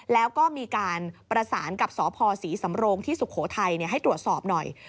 แล้วก็มีการประสานกับสพศรีสำโรงที่สุโขทัยให้ตรวจสอบหน่อย